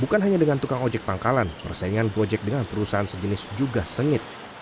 bukan hanya dengan tukang ojek pangkalan persaingan gojek dengan perusahaan sejenis juga sengit